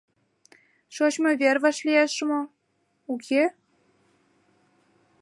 Шочмо вер вашлиеш мо, уке?